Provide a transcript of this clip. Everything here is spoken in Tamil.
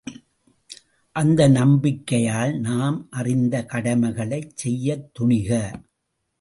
அந்த நம்பிக்கையால் நாம் அறிந்த கடமைகளைச் செய்யத் துணிக!